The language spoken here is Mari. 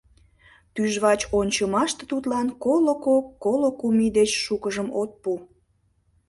Тӱжвач ончымаште тудлан коло кок-коло кум ий деч шукыжым от пу.